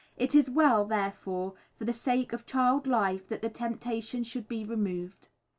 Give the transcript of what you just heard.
It is well, therefore, for the sake of child life that the temptation should be removed.